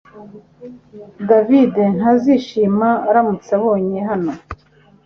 David ntazishima aramutse ambonye hano